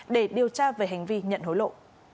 để điều tra về hành vi nhận hối lộ